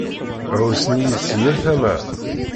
Ɛussen-iyi si yal tama.